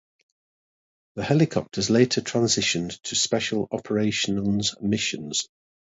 The helicopters later transitioned to Special Operations missions.